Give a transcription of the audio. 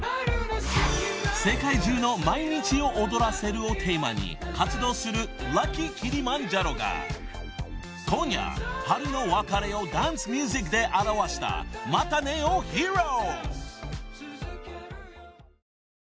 ［「世界中の毎日をおどらせる」をテーマに活動するＬｕｃｋｙＫｉｌｉｍａｎｊａｒｏが今夜春の別れをダンスミュージックで表した『またね』を披露］